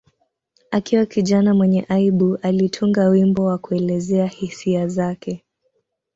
Akiwa kijana mwenye aibu, alitunga wimbo wa kuelezea hisia zake.